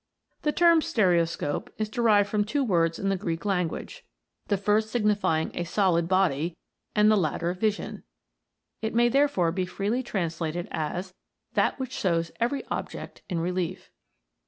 The term stereoscope is derived from two words in the Greek language, the first signifying a solid body, and the latter vision; it may therefore be freely translated as "that which shows every object in relief."